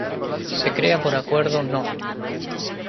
Se crea por Acuerdo No.